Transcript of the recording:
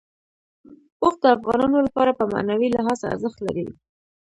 اوښ د افغانانو لپاره په معنوي لحاظ ارزښت لري.